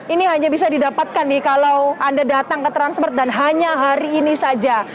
ini hanya bisa didapatkan nih kalau anda datang ke transmart dan hanya hari ini saja